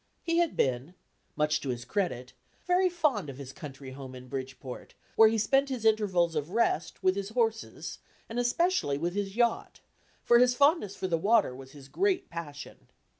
He had been (much to his credit) very fond of his country home in Bridgeport, where he spent his intervals of rest with his horses, and especially with his yacht, for his fondness for the water was his great passion.